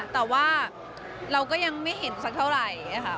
แต่ว่าเราก็ยังไม่เห็นสักเท่าไหร่ค่ะ